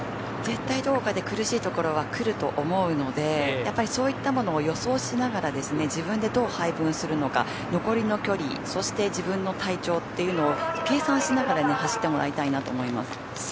絶対、どこかで苦しいところは来ると思うので、そういったものを予想しながら自分でどう配分するのか残りの距離そして、自分の体調というのを計算しながら走ってもらいたいなと思います。